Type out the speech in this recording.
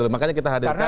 makanya kita hadirkan